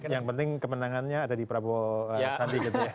yang penting kemenangannya ada di prabowo sandi gitu ya